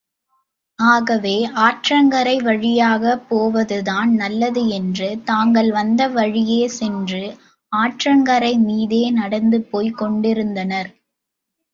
ஆகவே, ஆற்றங்கரை வழியாகப் போவதுதான் நல்லது என்று, தாங்கள் வந்த வழியே சென்று ஆற்றங்கரைமீதே நடந்து போய்க் கொண்டிருந்தனர்.